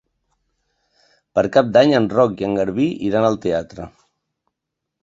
Per Cap d'Any en Roc i en Garbí iran al teatre.